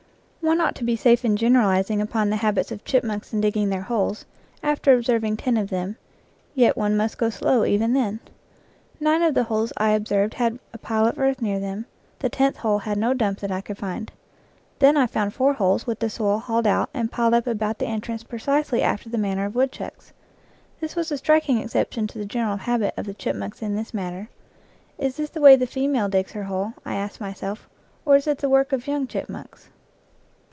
One ought to be safe in generalizing upon the habits of chipmunks in digging their holes, after observing ten of them, yet one must go slow even then. Nine of the holes I observed had a pile of earth near them; the tenth hole had no dump that I could find. Then I found four holes with the soil hauled out and piled up about the entrance precisely after the manner of woodchucks. This was a striking exception to the general habit of the chipmunk in this matter. " Is this the way the female digs her hole," I asked my self, " or is it the work of young chipmunks?"